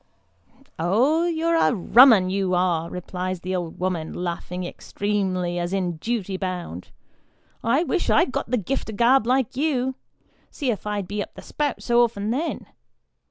" Oh ! you're a rum 'un, you are," replies the old woman, laughing extremely, as in duty bound ;" I wish I'd got the gift of the gab like you ; see if I'd be up the spout so often then